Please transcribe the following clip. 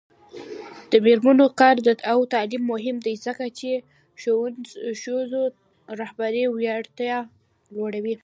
د میرمنو کار او تعلیم مهم دی ځکه چې ښځو رهبري وړتیا لوړوي.